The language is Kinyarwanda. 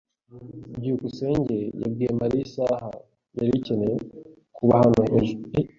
byukusenge yabwiye Mariya isaha yari akeneye kuba hano ejo?